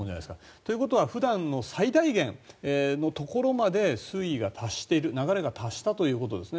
ということは普段の最大限のところまで水位が達している流れが達したということですね。